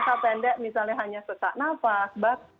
misal jangka pendek misalnya hanya sesak nafas bak